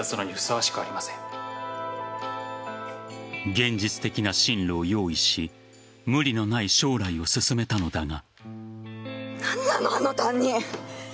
現実的な進路を用意し無理のない将来を勧めたのだが。